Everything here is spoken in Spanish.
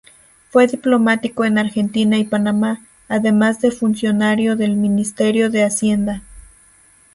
Fue diplomático en Argentina y Panamá, además de funcionario del Ministerio de Hacienda.